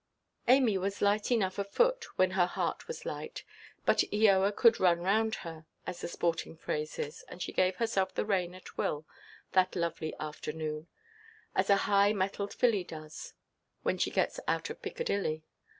Amy was light enough of foot, when her heart was light; but Eoa could "run round her," as the sporting phrase is, and she gave herself the rein at will that lovely afternoon; as a high–mettled filly does, when she gets out of Piccadilly.